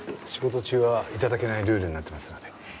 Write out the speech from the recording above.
仕事中は頂けないルールになっていますので。